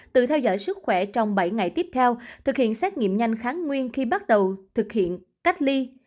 tự theo dõi sức khỏe trong bảy ngày tiếp theo thực hiện xét nghiệm nhanh kháng nguyên khi bắt đầu thực hiện cách ly